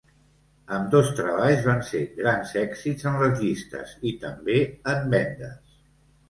Ambdós treballs van ser grans èxits en les llistes i també en vendes.